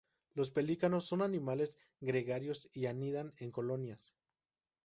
Los pelícanos son animales gregarios y anidan en colonias.